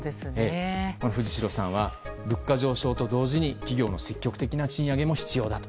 藤代さんは物価上昇と同時に企業の積極的な賃上げも必要だと。